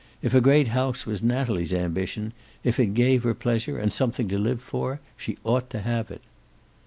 If a great house was Natalie's ambition, if it gave her pleasure and something to live for, she ought to have it.